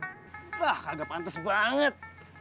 wah kagak pantes banget